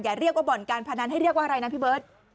เรียกว่าบ่อนการพนันให้เรียกว่าอะไรนะพี่เบิร์ต